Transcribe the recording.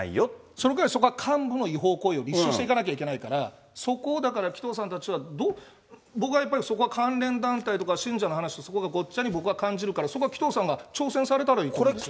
その代わりそれは幹部の違法行為を立証していかなきゃいけないから、そこをだから、紀藤さんたちは、僕はやっぱり、そこは関連団体とか信者の話と、そこがごっちゃに僕は感じるから、そこは紀藤さんが挑戦されたらいいと思いますよ。